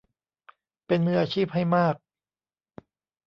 เป็นมืออาชีพให้มาก